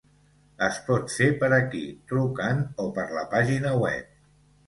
Es pot fer per aquí, trucant o per la pàgina web.